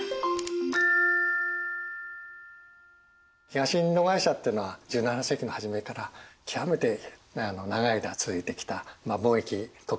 東インド会社っていうのは１７世紀の初めから極めて長い間続いてきた貿易特許会社だったわけですね。